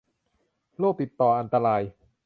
โรคติดต่ออันตราย